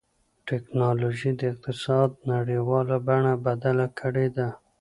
ټکنالوجي د اقتصاد نړیواله بڼه بدله کړې ده.